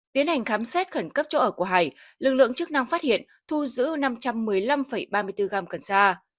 tiến hành khám xét khẩn cấp chỗ ở của hải lực lượng chức năng phát hiện thu giữ năm trăm một mươi năm ba mươi bốn g cần sa